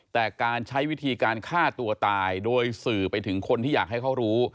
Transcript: แต่การใช้วิธีการฆ่าตัวตายโดยสื่อไปถึงคนที่อยากให้เขารู้